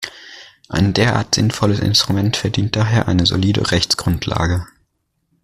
Ein derart sinnvolles Instrument verdient daher eine solide Rechtsgrundlage.